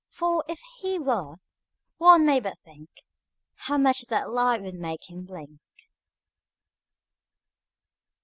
For, if he were, one may but think How much that light would make him blink.